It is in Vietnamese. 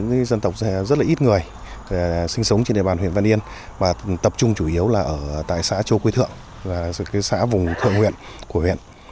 những dân tộc rất là ít người sinh sống trên đề bàn huyện văn yên và tập trung chủ yếu là ở tại xã châu quy thượng xã vùng thượng nguyện của huyện